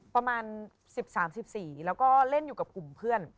ประมาณ๑๓๑๔แล้วก็เล่นอยู่กับกลุ่มเพื่อน